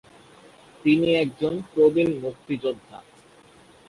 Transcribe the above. তিনি একজন প্রবীণ মুক্তিযোদ্ধা।